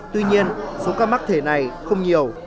tuy nhiên số ca mắc thể này không nhiều